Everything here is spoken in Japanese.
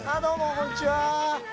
こんにちは。